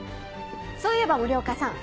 そういえば森岡さん。